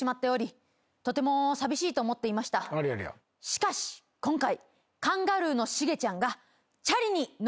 しかし今回。